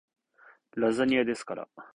ラザニアですから